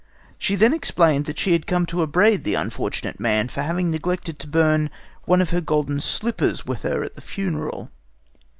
She then explained that she had come to upbraid the unfortunate man for having neglected to burn one of her golden slippers with her at the funeral.